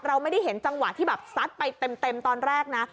เราไม่ได้เห็นจังหวะที่แบบซัดไปเต็มตอนแรกนะ